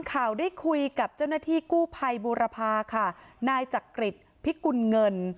ข่าวได้คุยกับเจ้าหน้าที่กู้ภัยบูรพาค่ะนายจักริจพิกุลเงิน